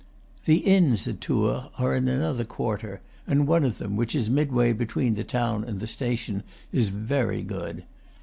The inns at Tours are in another quarter, and one of them, which is midway between the town and the station, is very good.